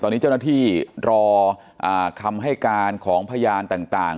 ตอนนี้เจ้าหน้าที่รอคำให้การของพยานต่าง